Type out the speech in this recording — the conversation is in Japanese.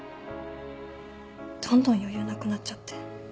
どんどん余裕なくなっちゃって。